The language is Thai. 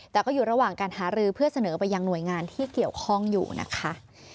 แต่ก็อยู่ระหว่างการหารือเพื่อเสนอไปยังหน่วยงานที่เกี่ยวข้องอยู่นะคะ